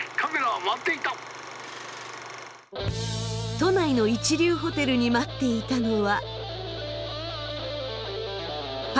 都内の一流ホテルに待っていたのは。